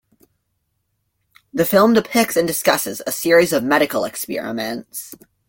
The film depicts and discusses a series of medical experiments.